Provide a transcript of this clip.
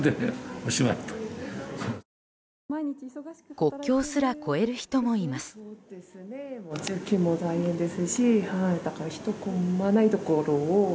国境すら越える人もいます。